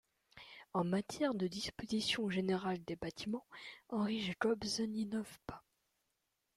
En matière de disposition générale des bâtiments, Henri Jacobs n’innove pas.